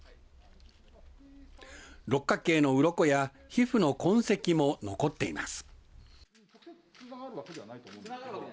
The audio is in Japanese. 六角形のうろこや皮膚の痕跡も残っています。